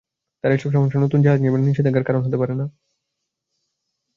তবে এসব সমস্যা নতুন জাহাজ নির্মাণে নিষেধাজ্ঞার কারণ হতে পারে না।